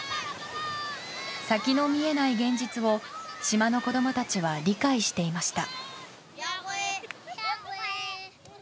先の見えない現実を島の子供たちは理解していました。